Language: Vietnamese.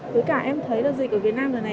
với cả em thấy là dịch ở việt nam lần này